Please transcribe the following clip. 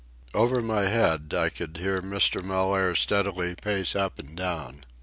Over my head I could hear Mr. Mellaire steadily pace up and down.